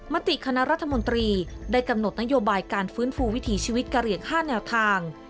มติคณะรัฐมนตรีได้กำหนดนโยบายการฟื้นฟูวิถีชีวิตกะเหลี่ยง๕แนวทาง